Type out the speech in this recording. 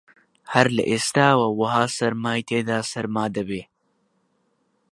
هەر لە ئێستاوە وەها سەرمای تێدا سەرما دەبێ